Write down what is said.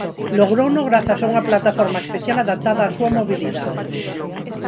Logrouno grazas a unha plataforma especial adaptada á súa mobilidade.